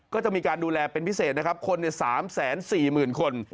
ก็จะมีการดูแลเป็นพิเศษคน๓๔๐๐๐๐คน